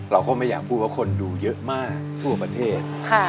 เราก็ไม่อยากพูดว่าคนดูเยอะมากทั่วประเทศ